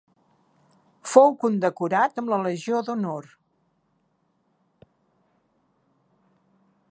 Fou condecorat amb la Legió d'Honor.